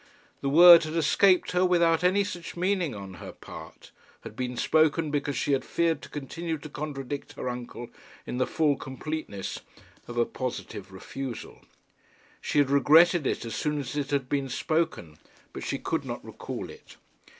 The word had escaped her without any such meaning on her part, had been spoken because she had feared to continue to contradict her uncle in the full completeness of a positive refusal. She had regretted it as soon as it had been spoken, but she could not recall it.